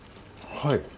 はい。